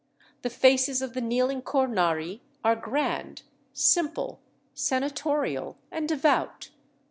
The faces of the kneeling Cornari are grand, simple, senatorial, and devout.